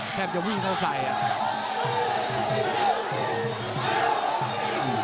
แทบจะวิ่งเข้าใส